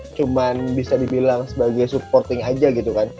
cuma bisa dibilang sebagai supporting aja gitu kan